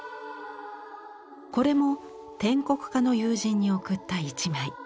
これも篆刻家の友人に贈った一枚。